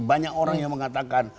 banyak orang yang mengatakan